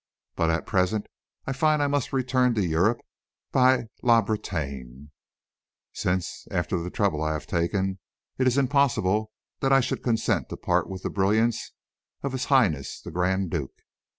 But at present I find that I must return to Europe by La Bretagne; since, after the trouble I have taken, it is impossible that I should consent to part with the brilliants of His Highness the Grand Duke.